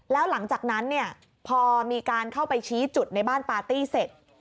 แล้วหลังจากนั้นเนี่ยพอมีการเข้าไปชี้จุดในบ้านปาร์ตี้เสร็จ